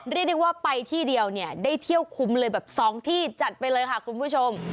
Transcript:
เรียกได้ว่าไปที่เดียวเนี่ยได้เที่ยวคุ้มเลยแบบ๒ที่จัดไปเลยค่ะคุณผู้ชม